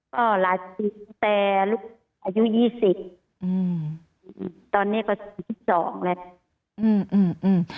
ก็หลายปีแต่ลูกอายุยี่สิบอืมอืมตอนนี้ก็สิบสิบสองเลยอืมอืมอืม